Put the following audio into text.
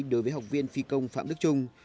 đối với học viên phi công phạm đức trung